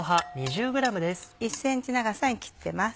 １ｃｍ長さに切ってます。